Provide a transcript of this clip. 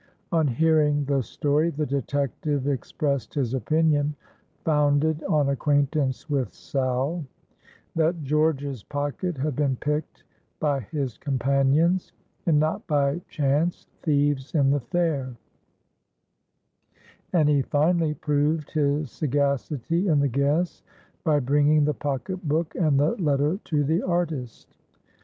On hearing the story, the detective expressed his opinion (founded on acquaintance with Sal) that George's pocket had been picked by his companions, and not by chance thieves in the fair; and he finally proved his sagacity in the guess by bringing the pocket book and the letter to the artist.